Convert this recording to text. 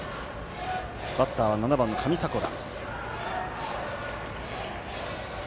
バッターは７番の上迫田。